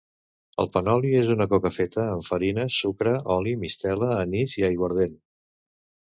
El panoli és una coca feta amb farina, sucre, oli, mistela, anís i aiguardent.